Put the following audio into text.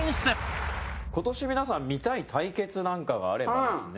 清水：今年、皆さん、見たい対決なんかがあればですね。